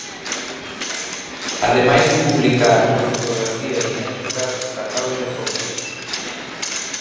Ademais de publicar unha fotografía inédita rescatada de Fotos.